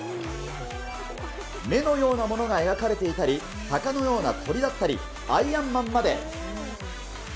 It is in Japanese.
目のようなものが描かれていたり、タカのような鳥だったり、アイアンマンまで。